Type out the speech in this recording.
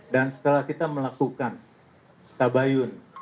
dan setelah kita melakukan stabayun